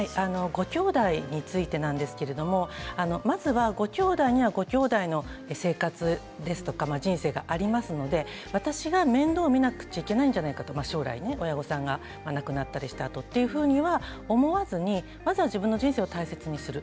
ごきょうだいについてなんですけれどまずは、ごきょうだいにはごきょうだいの生活や人生がありますので私が面倒を見なくちゃいけないんじゃないか、将来ね親御さんが亡くなったりしたあとというふうには思わずにまずは自分の人生を大切にする。